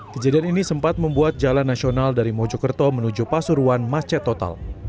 kejadian ini sempat membuat jalan nasional dari mojokerto menuju pasuruan macet total